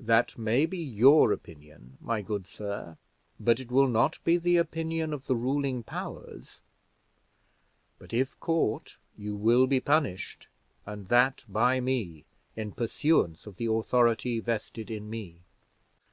"That may be your opinion, my good sir, but it will not be the opinion of the ruling powers; but if caught, you will be punished, and that by me, in pursuance of the authority vested in me."